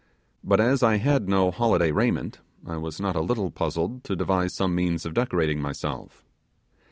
But as I had no holiday raiment, I was not a little puzzled to devise some means of decorating myself.